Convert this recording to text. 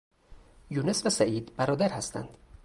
یونس و سعید برادر هستند.